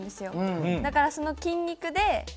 だからその筋肉でパッて。